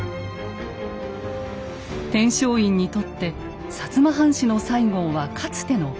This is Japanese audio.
天璋院にとって薩摩藩士の西郷はかつての家臣。